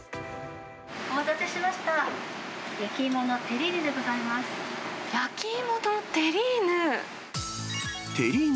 お待たせしました、焼き芋の焼き芋のテリーヌ？